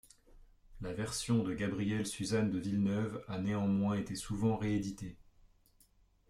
La version de Gabrielle-Suzanne de Villeneuve a néanmoins été souvent rééditée.